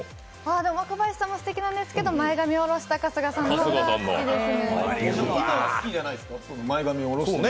若林さんもすてきなんですけど前髪を下ろした春日さんの方が好きですね。